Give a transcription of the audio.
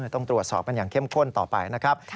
ต้องตรวจสอบกันอย่างเข้มข้นต่อไปนะครับ